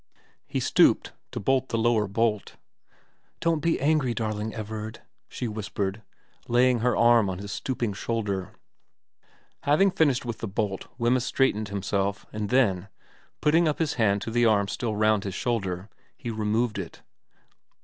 He stooped to bolt the lower bolt. * Don't be angry, darling Everard,' she whispered, laying her arm on his stooping shoulder. XIX VERA 215 Having finished with the bolt Wemyss straightened himself, and then, putting up his hand to the arm still round his shoulder, he removed it.